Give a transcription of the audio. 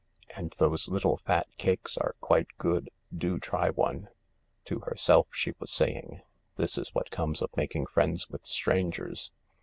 "And those little fat cakes are quite good, do try one." To herself she was saying :" This is what comes of making friends with strangers.